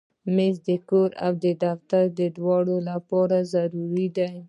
مېز د کور او دفتر دواړو لپاره ضروري دی.